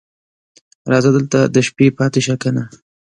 راځه دلته د شپې پاتې شه کنه